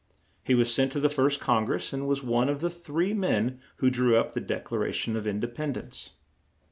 He was sent to the First Con gress and was one of the three men who drew up the Dec la ra tion of In de pend ence.